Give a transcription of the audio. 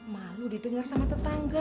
malu didengar sama tetangga